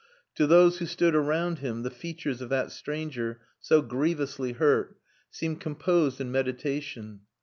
To those who stood around him, the features of that stranger, so grievously hurt, seemed composed in meditation.